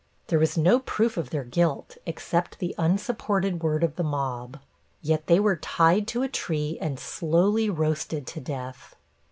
There was no proof of their guilt except the unsupported word of the mob. Yet they were tied to a tree and slowly roasted to death.